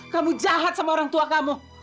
kamu jahat sama orang tua kamu